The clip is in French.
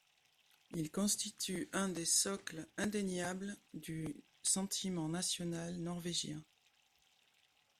Ils constituent un des socles indéniables du sentiment national norvégien.